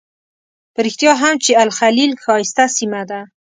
په رښتیا هم چې الخلیل ښایسته سیمه ده.